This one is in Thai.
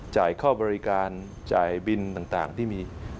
จ่ายค่าบริการจ่ายบินต่างที่มี